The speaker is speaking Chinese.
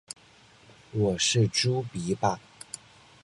我是猪鼻吧